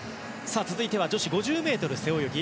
続いては女子５０ｍ背泳ぎ。